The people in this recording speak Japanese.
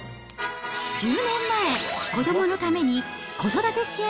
１０年前、子どものために子育て支援